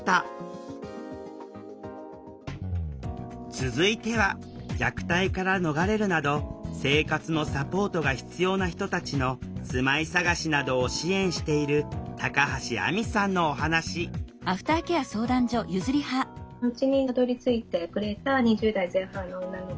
続いては虐待から逃れるなど生活のサポートが必要な人たちの住まい探しなどを支援している高橋亜美さんのお話また自分が責められるようなと言われ契約した女性。